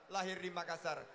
lahir di makassar